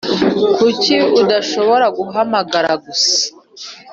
kuki udashobora guhamagara gusa